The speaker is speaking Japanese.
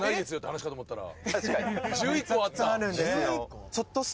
話かと思ったら１１個あった」